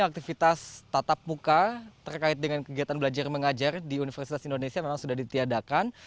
aktivitas tatap muka terkait dengan kegiatan belajar mengajar di universitas indonesia memang sudah ditiadakan